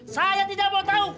saya tidak mau tau